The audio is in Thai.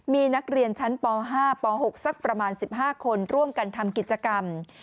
มีนักเรียนชั้นป๕ป๖สักประมาณ๑๕คนร่วมกันทำกิจกรรม